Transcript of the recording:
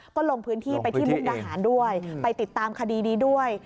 ก็ลงพื้นที่ไปที่มุกดาหารด้วยไปติดตามคดีนี้ด้วย